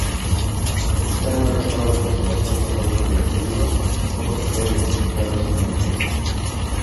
Están en mal estado de conservación, totalmente derruidos, sólo se pueden identificar los cimientos.